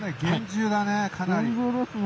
厳重ですね。